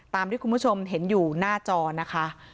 ตามที่คุณผู้ชมเห็นอยู่หน้าจอนะคะ